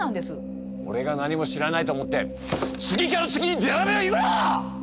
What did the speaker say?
俺が何も知らないと思って次から次にでたらめを言うな！